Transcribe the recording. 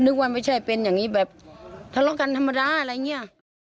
ไม่ใช่ว่าไม่ใช่เป็นอย่างนี้แบบทะเลาะกันธรรมดาอะไรอย่างนี้